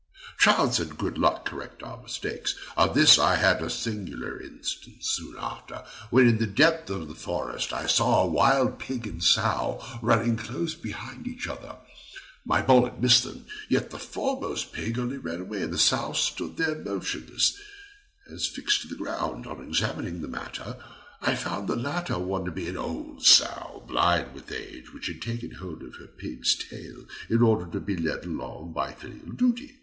Chance and good luck often correct our mistakes; of this I had a singular instance soon after, when, in the depth of a forest, I saw a wild pig and sow running close behind each other. My ball had missed them, yet the foremost pig only ran away, and the sow stood motionless, as fixed to the ground. On examining into the matter, I found the latter one to be an old sow, blind with age, which had taken hold of her pig's tail, in order to be led along by filial duty.